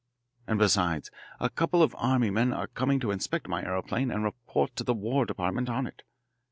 And, besides, a couple of army men are coming to inspect my aeroplane and report to the War Department on it.